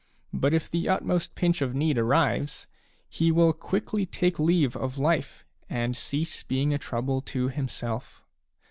But if the utmost pinch of need arrives, he will quickly take leave of life and cease being a trouble to himself.